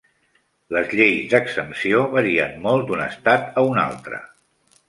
Les lleis d'exempció varien molt d'un estat a un altre.